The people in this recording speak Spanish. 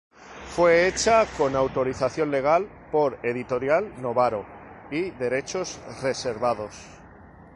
Fue hecha con autorización legal por Editorial Novaro y derechos reservados.